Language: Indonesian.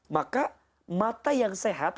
maka mata yang sehat